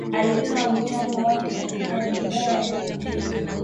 Alitoa mchango wake katika medani ya mchezo